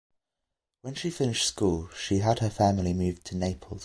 When she finished school she and her family moved to Naples.